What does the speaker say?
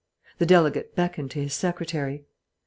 The delegate beckoned to his secretary.